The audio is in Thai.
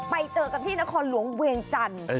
ไปเจอกันที่นครหลวงเวียงจันทร์